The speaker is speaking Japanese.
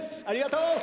ありがとう！